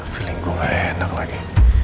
feeling gua gak enak lagi